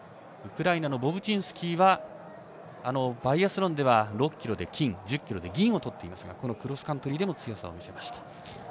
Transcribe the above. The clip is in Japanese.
ウクライナのボブチンスキーはバイアスロンでは６ｋｍで金１０ｋｍで銀をとっていますがこのクロスカントリーでも強さを見せました。